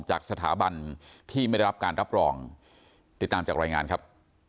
จากสถาบันที่ไม่ได้รับการรับรองติดตามจากรายงานครับ